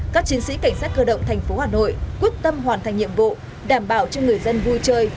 các chiến sĩ cảnh sát cơ động thành phố hà nội quyết tâm hoàn thành nhiệm vụ đảm bảo cho người dân vui chơi